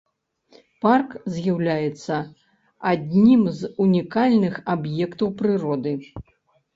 Парк з'яўляецца аднім з унікальных аб'ектаў прыроды.